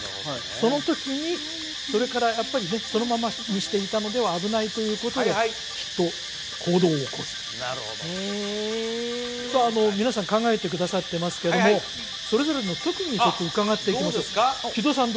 その時にそれからやっぱりねそのままにしていたのでは危ないということできっと行動を起こすとええさあ皆さん考えてくださってますけどもそれぞれの特技をちょっと伺っていきましょう木戸さん